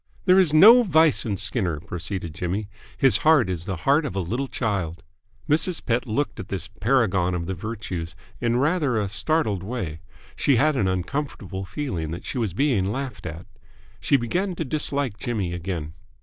"There is no vice in Skinner," proceeded Jimmy. "His heart is the heart of a little child." Mrs. Pett looked at this paragon of the virtues in rather a startled way. She had an uncomfortable feeling that she was being laughed at. She began to dislike Jimmy again.